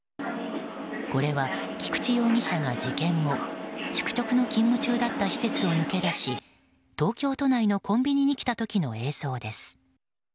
これは、菊池容疑者が事件後宿直の勤務中だった施設を逃げ出し東京都内のコンビニに来た時の映像です。